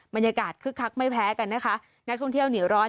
บรรยากาศคึกคักไม่แพ้กันนะคะนักท่องเที่ยวเหนียวร้อน